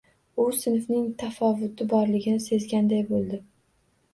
U sinfning tafovuti borligini sezganday bo‘ldi.